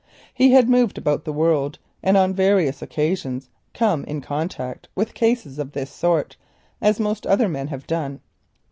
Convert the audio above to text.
He had moved about the world and on various occasions come in contact with cases of this sort, as most other men have done.